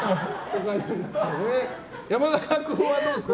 山田君はどうですか？